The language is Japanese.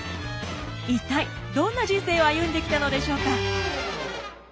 一体どんな人生を歩んできたのでしょうか？